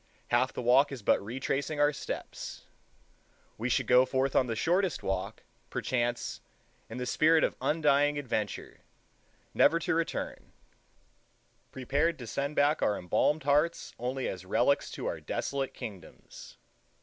Half the walk is but retracing our steps. We should go forth on the shortest walk, perchance, in the spirit of undying adventure, never to return,—prepared to send back our embalmed hearts only as relics to our desolate kingdoms.